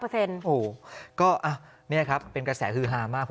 โหก็อ่ะเนี่ยครับเป็นกระแสคือฮามาก